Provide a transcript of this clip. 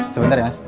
sebentar ya mas